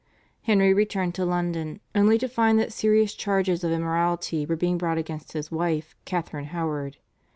Henry returned to London only to find that serious charges of immorality were being brought against his wife, Catharine Howard.